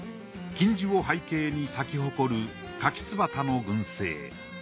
金地を背景に咲き誇る燕子花の群生。